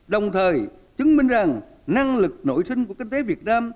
đồng thời chứng minh rằng năng lực nổi sinh của kinh tế việt nam